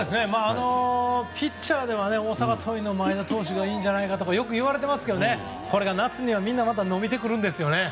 ピッチャーでは大阪桐蔭の前田投手がいいんじゃないかとかよく言われてますがこれが夏にはみんなまた伸びてくるんですよね。